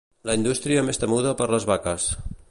La indústria més temuda per les vaques.